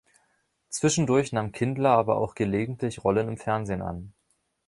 Zwischendurch nahm Kindler aber auch gelegentlich Rollen im Fernsehen an.